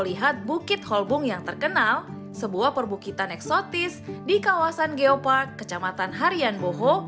lihat bukit holbung yang terkenal sebuah perbukitan eksotis di kawasan geopark kecamatan harian boho